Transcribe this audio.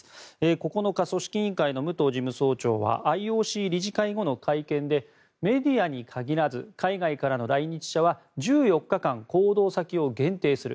９日、組織委員会の武藤事務総長はＩＯＣ理事会後の会見でメディアに限らず海外からの来日者は１４日間、行動先を限定する。